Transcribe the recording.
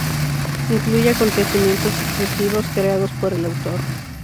Incluye acontecimientos exclusivos, creados por el autor.